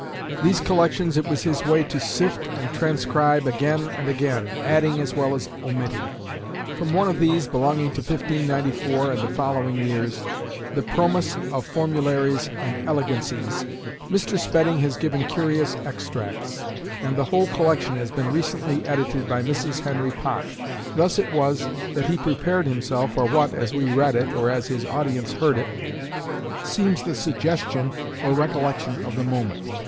These collections it was his way to sift and transcribe again and again, adding as well as omitting. From one of these, belonging to 1594 and the following years, the Promus of Formularies and Elegancies, Mr. Spedding has given curious extracts; and the whole collection has been recently edited by Mrs. Henry Pott. Thus it was that he prepared himself for what, as we read it, or as his audience heard it, seems the suggestion or recollection of the moment.